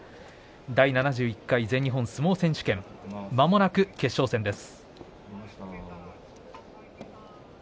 第７１回全日本相撲選手権まもなく決勝戦です。